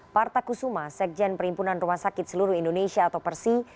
partakusuma sekjen perimpunan rumah sakit seluruh indonesia atau persi